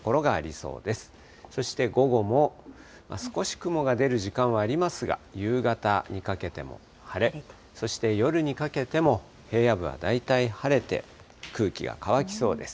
そして午後も少し雲が出る時間はありますが、夕方にかけても晴れ、そして夜にかけても平野部は大体晴れて、空気が乾きそうです。